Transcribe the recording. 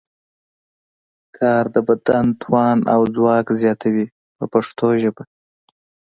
کار د بدن توان او ځواک زیاتوي په پښتو ژبه.